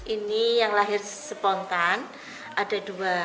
ini yang lahir spontan ada dua